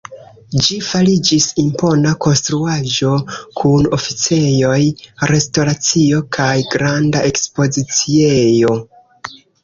Ĝi fariĝis impona konstruaĵo kun oficejoj, restoracio kaj granda ekspoziciejo.